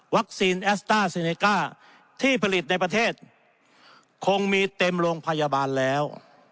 แอสต้าเซเนก้าที่ผลิตในประเทศคงมีเต็มโรงพยาบาลแล้ว